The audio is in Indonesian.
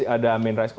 ada amin rais